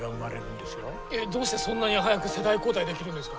えっどうしてそんなに速く世代交代できるんですか？